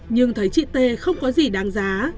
nhưng thấy chị t không có gì đáng giá